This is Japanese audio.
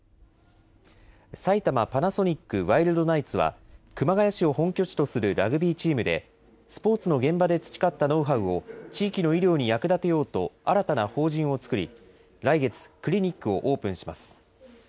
埼玉パナソニックワイルドナイツは、熊谷市を本拠地とするラグビーチームで、スポーツの現場で培ったノウハウを地域の医療に役立てようと新たな法人を作り、来月、クリニックをオープンします。